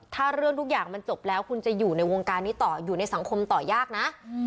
ถ้าเรื่องทุกอย่างมันจบแล้วคุณจะอยู่ในวงการนี้ต่ออยู่ในสังคมต่อยากนะ